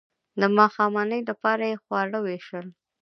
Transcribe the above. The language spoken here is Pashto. د ماښامنۍ لپاره یې خواړه ویشل.